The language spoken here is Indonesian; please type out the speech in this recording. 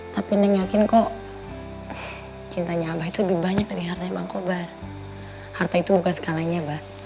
tapi neng yakin kok cintanya abah itu lebih banyak dari hartanya bang kobar harta itu bukan segalanya